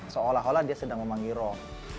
seolah olah dia sedang memanggil roh